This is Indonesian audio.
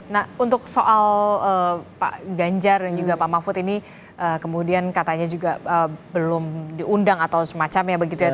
nah untuk soal pak ganjar dan juga pak mahfud ini kemudian katanya juga belum diundang atau semacamnya begitu ya